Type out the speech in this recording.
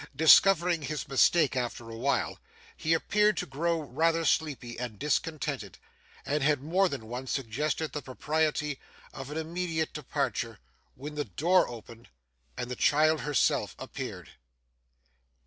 Discovering his mistake after a while, he appeared to grow rather sleepy and discontented, and had more than once suggested the propriety of an immediate departure, when the door opened, and the child herself appeared.